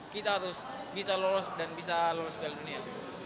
kita harus bisa lolos dan bisa lolos ke dunia